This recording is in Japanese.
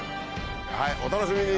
お楽しみに。